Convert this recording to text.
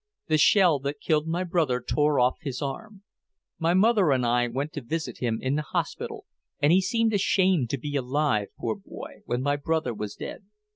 The shell that killed my brother tore off his arm. My mother and I went to visit him in the hospital, and he seemed ashamed to be alive, poor boy, when my brother was dead.